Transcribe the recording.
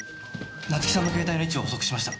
夏樹さんの携帯の位置を捕捉しました。